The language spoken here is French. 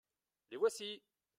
Les voici !